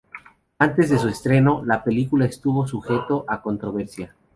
Antes de su estreno, la película estuvo sujeto a controversia.